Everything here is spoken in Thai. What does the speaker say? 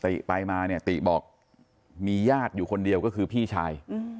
ติไปมาเนี่ยติบอกมีญาติอยู่คนเดียวก็คือพี่ชาย